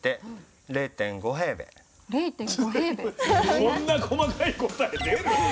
こんな細かい答え出る？